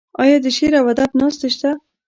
آیا د شعر او ادب ناستې شته؟